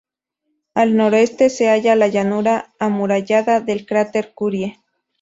Al noroeste se halla la llanura amurallada del cráter Curie.